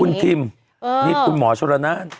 คุณทิมนี่คุณหมอชนละนาน